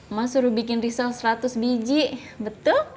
emak suruh bikin risoles seratus biji betul